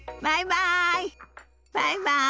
バイバイ。